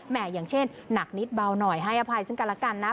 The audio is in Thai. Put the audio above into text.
อย่างเช่นหนักนิดเบาหน่อยให้อภัยซึ่งกันแล้วกันนะ